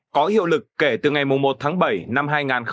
có hiệu lực kể từ ngày một tháng bảy năm hai nghìn hai mươi